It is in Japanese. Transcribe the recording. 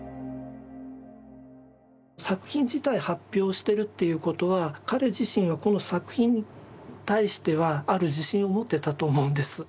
作品自体発表してるっていうことは彼自身はこの作品に対してはある自信を持ってたと思うんです。